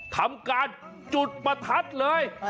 ทำการจุดประทัดเลย